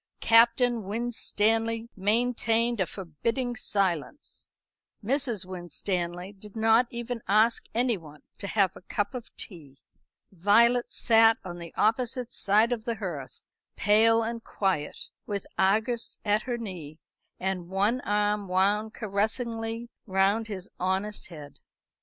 Captain Winstanley maintained a forbidding silence; Mrs. Winstanley did not even ask anyone to have a cup of tea; Violet sat on the opposite side of the hearth, pale and quiet, with Argus at her knee, and one arm wound caressingly round his honest head.